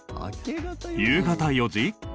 夕方４時？